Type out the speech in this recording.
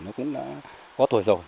nó cũng đã có tuổi rồi